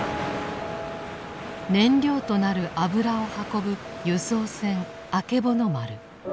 燃料となる油を運ぶ油槽船「あけぼの丸」。